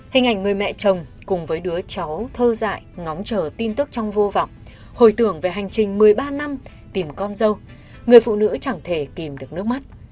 hình ảnh người mẹ chồng cùng với đứa cháu thơ dại ngóng chờ tin tức trong vô vọng hồi tưởng về hành trình một mươi ba năm tìm con dâu người phụ nữ chẳng thể tìm được nước mắt